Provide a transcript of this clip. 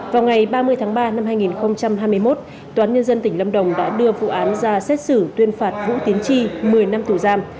vào ngày ba mươi tháng ba năm hai nghìn hai mươi một toán nhân dân tỉnh lâm đồng đã đưa vụ án ra xét xử tuyên phạt vũ tiến tri một mươi năm tù giam